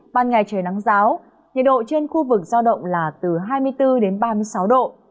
ban ngày trời nắng ráo nhiệt độ trên khu vực do động là từ hai mươi bốn ba mươi sáu độ